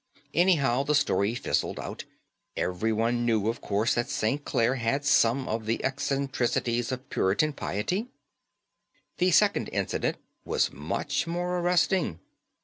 "Anyhow, the story fizzled out. Everyone knew, of course, that St. Clare had some of the eccentricities of puritan piety. The second incident was much more arresting.